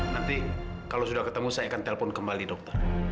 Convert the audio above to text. nanti kalau sudah ketemu saya akan telpon kembali dokter